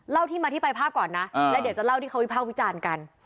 ที่มาที่ไปภาพก่อนนะแล้วเดี๋ยวจะเล่าที่เขาวิภาควิจารณ์กัน